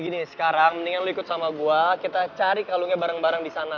ih ini mah istana beneran sila